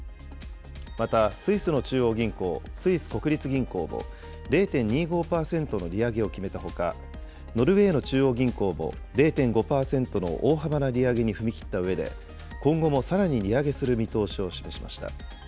また、スイスの中央銀行、スイス国立銀行も、０．２５％の利上げを決めたほか、ノルウェーの中央銀行も０．５％の大幅な利上げに踏み切ったうえで、今後もさらに利上げする見通しを示しました。